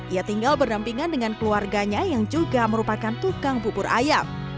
ia tinggal berdampingan dengan keluarganya yang juga merupakan tukang bubur ayam